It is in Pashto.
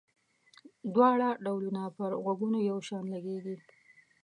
دواړه ډولونه پر غوږونو یو شان لګيږي.